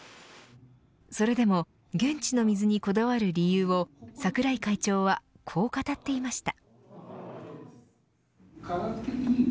それでも現地の水にこだわる理由を桜井会長はこう語っていました。